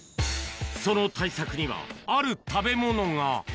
その対策には、ある食べ物が。